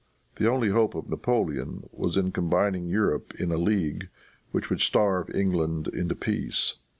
The only hope of Napoleon was in combining Europe in a league which should starve England into peace.